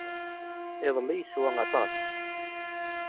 Iḍelli yeswa aṭas.